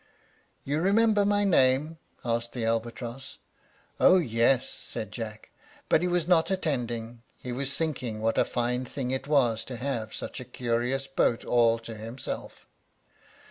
"You remember my name?" asked the albatross. "Oh yes," said Jack; but he was not attending, he was thinking what a fine thing it was to have such a curious boat all to himself.